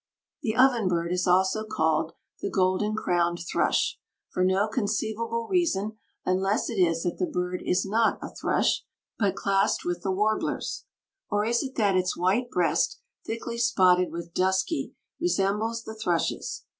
The ovenbird is also called the golden crowned thrush, for no conceivable reason unless it is that the bird is not a thrush, but classed with the warblers. Or is it that its white breast, thickly spotted with dusky, resembles the thrush's?